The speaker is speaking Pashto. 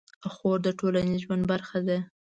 خور د ټولنیز ژوند برخه ده.